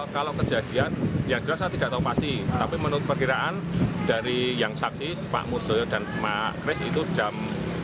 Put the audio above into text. kalau kejadian yang jelas saya tidak tahu pasti tapi menurut perkiraan dari yang saksi pak murjoyo dan pak kris itu jam